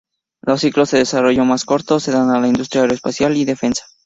Los ciclos de desarrollo más cortos se dan en la industria aeroespacial y defensa.